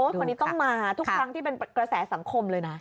คนนี้ต้องมาทุกครั้งที่เป็นกระแสสังคมเลยนะ